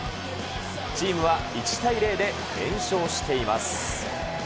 チームは１対０で連勝しています。